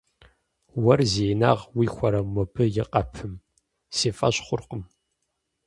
- Уэр зи инагъ уихуэрэ мобы и къэпым? Си фӏэщ хъуркъым.